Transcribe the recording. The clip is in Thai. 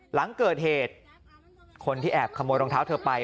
หลังเกิดเหตุคนที่แอบขโมยรองเท้าเธอไป